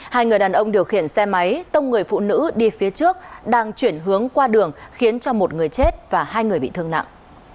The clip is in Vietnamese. hai người đàn ông điều khiển xe máy tông người phụ nữ đi phía trước đang chuyển hướng qua đường khiến cho một người chết và hai người bị thương nặng